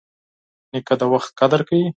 نیکه د وخت قدر کوي.